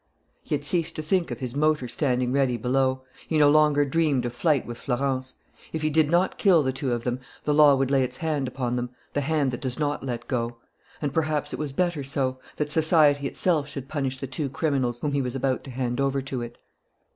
He had ceased to think of his motor standing ready below. He no longer dreamt of flight with Florence. If he did not kill the two of them, the law would lay its hand upon them, the hand that does not let go. And perhaps it was better so, that society itself should punish the two criminals whom he was about to hand over to it.